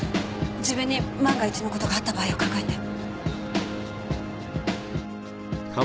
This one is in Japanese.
自分に万が一の事があった場合を考えて。